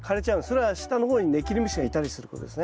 それは下の方にネキリムシがいたりすることですね。